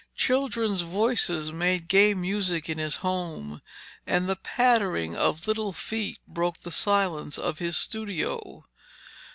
Children's voices made gay music in his home, and the pattering of little feet broke the silence of his studio.